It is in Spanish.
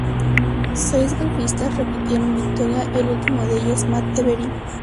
Seis golfistas repitieron victoria, el último de ellos Matt Every.